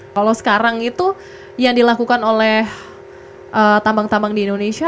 kalau sekarang itu yang dilakukan oleh tambang tambang di indonesia